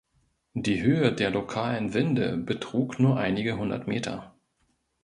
Die Höhe der lokalen Winde betrug nur einige hundert Meter.